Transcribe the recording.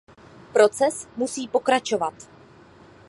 Proces musí pokračovat.